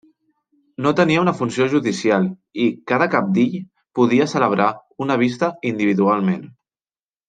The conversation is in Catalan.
No tenia una funció judicial, i cada cabdill podia celebrar una vista individualment.